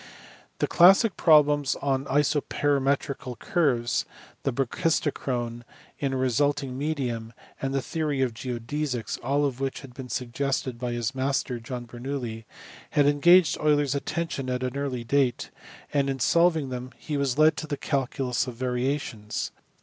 The classic problems on isoperimetrical curves, the brachis tochrone in a resisting medium, and the theory of geodesies (all of which had been suggested by his master John Ber noulli) had engaged Euler s attention at an early date ; and in solving them he was led to the calculus of variations.